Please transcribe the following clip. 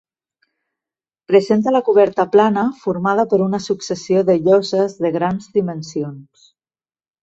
Presenta la coberta plana formada per una successió de lloses de grans dimensions.